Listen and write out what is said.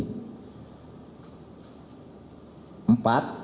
empat pelanggaran kegiatan fpi